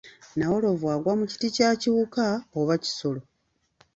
Nnawolovu agwa mu kiti kya kiwuka oba kisolo?